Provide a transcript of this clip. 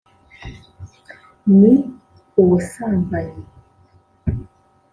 ni ubusambanyi